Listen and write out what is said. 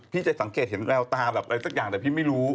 จะสังเกตเห็นแววตาแบบอะไรสักอย่างแต่พี่ไม่รู้